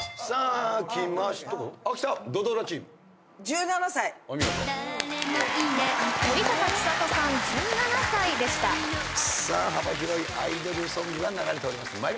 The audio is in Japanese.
さあ幅広いアイドルソングが流れております。